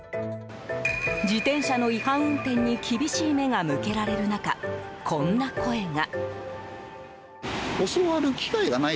自転車の違反運転に厳しい目が向けられる中こんな声が。